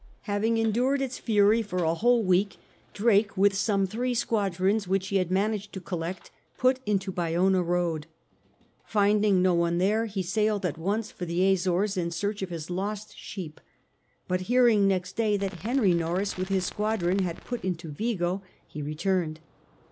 Having endured its fury for a whole week Drake, with some three squadrons which he had managed to collect^ put into Bayona road. Finding no one there, he sailed at once for the Azores in search of his lost sheep; but hearing next day that Henry Norreys with his squadron had put into Vigo he re turned.